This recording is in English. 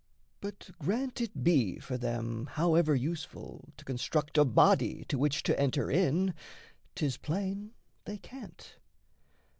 But grant it be for them However useful to construct a body To which to enter in, 'tis plain they can't.